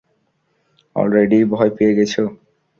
Already ভয় পেয়ে গেছো?